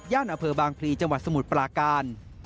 อำเภอบางพลีจังหวัดสมุทรปลาการ